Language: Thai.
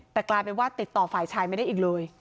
แต่กลายเป็นว่าติดต่อฝ่ายชายไม่ได้อีกเลย